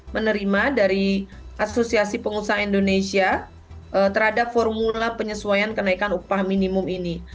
menerima dari asosiasi pengusaha indonesia terhadap formula penyesuaian kenaikan upah minimum ini